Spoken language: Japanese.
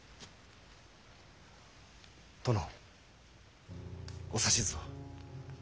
殿お指図を。